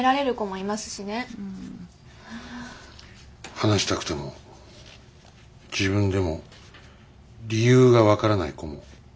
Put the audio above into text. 話したくても自分でも理由が分からない子もいると思います。